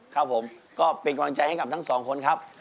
ครับผมก็เป็นกำลังใจให้กับทั้งสองคนครับ